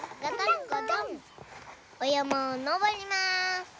おやまをのぼります。